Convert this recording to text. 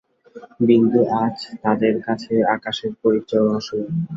বিন্দু আজ তাদের কাছে আকাশের পরীর চেয়েও রহস্যময়ী।